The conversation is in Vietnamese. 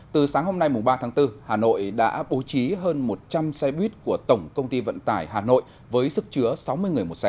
từ sáng hôm nay ba tháng bốn hà nội đã bố trí hơn một trăm linh xe buýt của tổng công ty vận tải hà nội với sức chứa sáu mươi người một xe